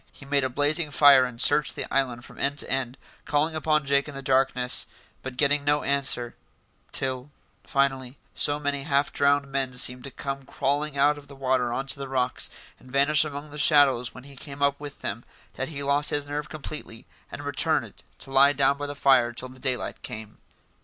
He made a blazing fire and searched the island from end to end, calling upon Jake in the darkness, but getting no answer; till, finally, so many half drowned men seemed to come crawling out of the water on to the rocks, and vanish among the shadows when he came up with them, that he lost his nerve completely and returned to lie down by the fire till the daylight came.